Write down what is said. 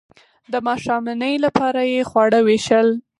د ماښامنۍ لپاره یې خواړه ویشل.